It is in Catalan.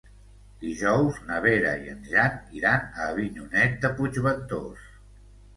Dijous na Vera i en Jan iran a Avinyonet de Puigventós.